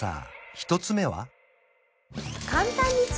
１つ目は？